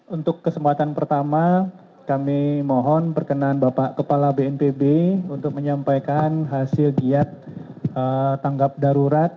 untuk kesempatan pertama kami mohon perkenan bapak kepala bnpb untuk menyampaikan hasil giat tanggap darurat